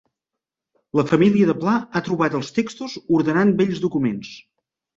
La família de Pla ha trobat els textos ordenant vells documents